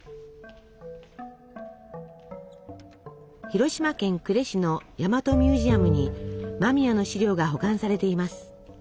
広島県呉市の大和ミュージアムに間宮の資料が保管されています。